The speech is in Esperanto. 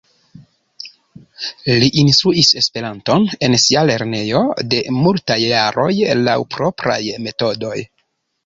Li instruis Esperanton en sia lernejo de multaj jaroj laŭ propraj metodoj.